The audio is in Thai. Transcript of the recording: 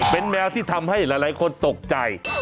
เป็นแมวที่ทำให้หลายคนตกใจ